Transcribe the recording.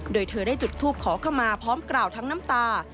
โดยเธอได้จุดทูปขอเข้ามาพร้อมกล่าวทั้งน้ำตา